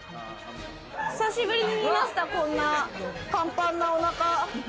久しぶりに見ました、こんなパンパンなお腹。